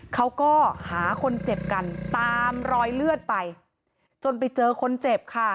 เขาก็หาคนเจ็บกันตามรอยเลือดไปจนไปเจอคนเจ็บค่ะ